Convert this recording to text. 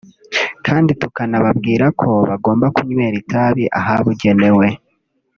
kandi tukanababwira ko bagomba kunywera itabi ahabugenewe